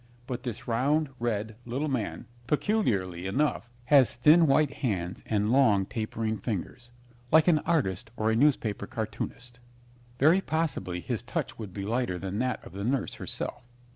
But this round, red, little man, peculiarly enough, has thin white hands and long tapering fingers, like an artist or a newspaper cartoonist. Very possibly his touch would be lighter than that of the nurse herself.